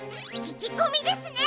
ききこみですね！